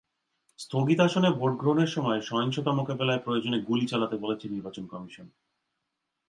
স্থগিত আসনে ভোট গ্রহণের সময় সহিংসতা মোকাবিলায় প্রয়োজনে গুলি চালাতে বলেছে নির্বাচন কমিশন।